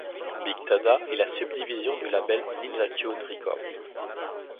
Big Dada est la subdivision du label Ninja Tune Records.